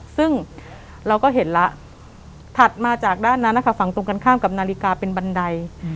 ซึ่งเราก็เห็นแล้วถัดมาจากด้านนั้นนะคะฝั่งตรงกันข้ามกับนาฬิกาเป็นบันได